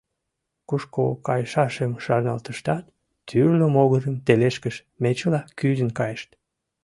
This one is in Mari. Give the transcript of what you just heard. Кушко кайышашым шарналтыштат, тӱрлӧ могырым тележкыш мечыла кӱзен кайышт.